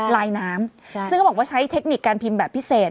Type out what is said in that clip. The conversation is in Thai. ลายน้ำซึ่งเขาบอกว่าใช้เทคนิคการพิมพ์แบบพิเศษ